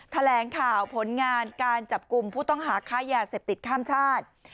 แถลงข่าวผลงานการจับกลุ่มผู้ต้องหาค้ายาเสพติดข้ามชาติ